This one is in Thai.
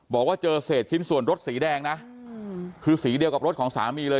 บอกว่าเจอเศษชิ้นส่วนรถสีแดงนะคือสีเดียวกับรถของสามีเลย